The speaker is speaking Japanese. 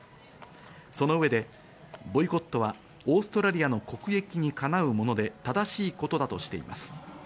その上で、ボイコットはオーストラリアの国益にかなうもので、正しいことだとしています。